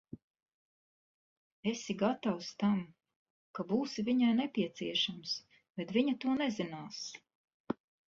Esi gatavs tam, ka būsi viņai nepieciešams, bet viņa to nezinās.